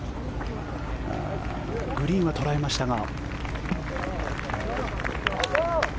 グリーンは捉えましたが。